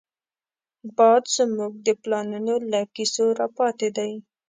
باد زمونږ د پلارانو له کيسو راپاتې دی